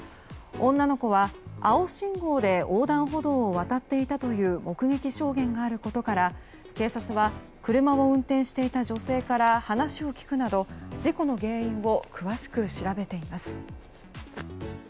女の子は、青信号で横断歩道を渡っていたという目撃証言があることから警察は車を運転していた女性から話を聞くなど事故の原因を詳しく調べています。